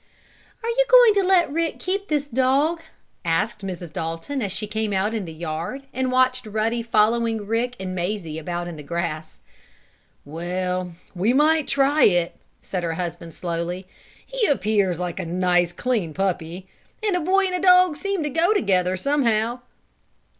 "Are you going to let Rick keep this dog?" asked Mrs. Dalton, as she came out in the yard, and watched Ruddy following Rick and Mazie about in the grass. "Well, we might try it," said her husband slowly. "He appears like a nice, clean puppy. And a boy and dog seem to go together, somehow."